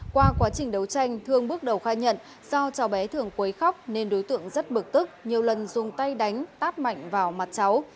qua quá trình đấu tranh thương bước đầu khai nhận do cháu bé thường quấy khóc nên đối tượng rất bực tức nhiều lần dùng tay đánh tát mạnh vào mặt cháu